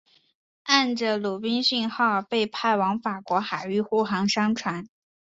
接着罗宾逊号被派往法国海域护航商船。